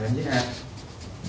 giết người em giết ai